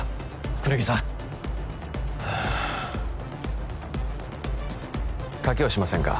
功刀さんはあ賭けをしませんか？